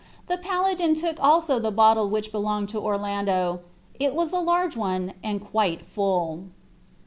The paladin took also the bottle which belonged to Orlando. It was a large one, and quite full.